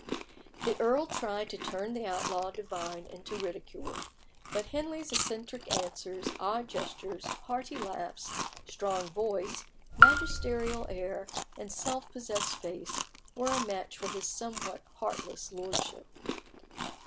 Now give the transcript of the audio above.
The earl tried to turn the outlaw divine into ridicule; but Henley's eccentric answers, odd gestures, hearty laughs, strong voice, magisterial air, and self possessed face were a match for his somewhat heartless lordship.